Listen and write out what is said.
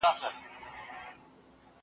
زه اوږده وخت اوبه پاکوم،